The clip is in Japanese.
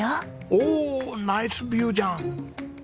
おおナイスビューじゃん！